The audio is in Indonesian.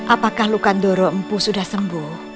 apakah lukan doro empu sudah sembuh